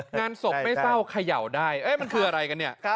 งานศพไม่เศร้าเขย่าได้มันคืออะไรกันเนี่ย